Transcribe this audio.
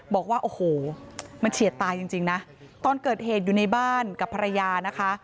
บอกว่าโอ้โหมันเฉียดตายจริงนะตอนเกิดเหตุอยู่ในบ้านกับภรรยานะคะ